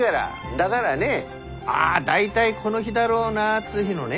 だがらねああ大体この日だろうなっつう日のね